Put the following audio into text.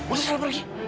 udah sana pergi